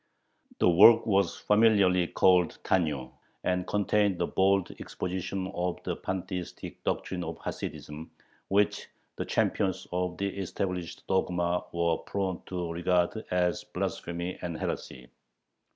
The work was familiarly called Tanyo, and contained a bold exposition of the pantheistic doctrine of Hasidism, which the champions of the established dogma were prone to regard as blasphemy and heresy.